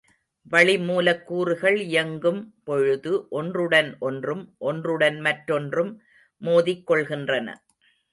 வளிமூலக்கூறுகள் இயங்கும் பொழுது ஒன்றுடன் ஒன்றும் ஒன்றுடன் மற்றொன்றும் மோதிக் கொள்கின்றன.